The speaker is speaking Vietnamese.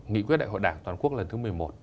nghị quyết đại hội đảng toàn quốc lần thứ một mươi một